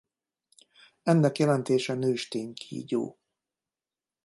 Ennek jelentése nőstény kígyó.